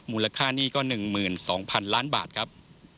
มูลค่าหนี้ก็๑๒๐๐๐ล้านบาทครับ